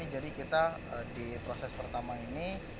jadi kita di proses pertama ini